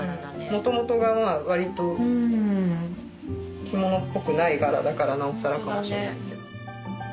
もともとがわりと着物っぽくない柄だからなおさらかもしれないけど。